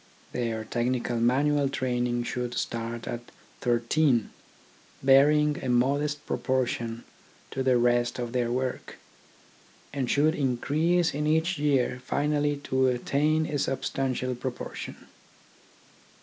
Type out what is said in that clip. Their technical manual training should start at thirteen, bearing a modest proportion to the rest of their work, and should increase in each year finally to attain to a substantial proportion.